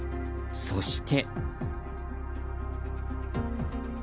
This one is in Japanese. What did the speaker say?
そして。